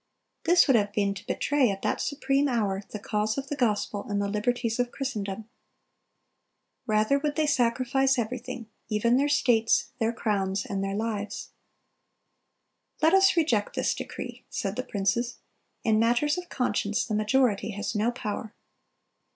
This would have been to betray, at that supreme hour, the cause of the gospel and the liberties of Christendom."(289) Rather would they "sacrifice everything, even their states, their crowns, and their lives."(290) "Let us reject this decree," said the princes. "In matters of conscience the majority has no power."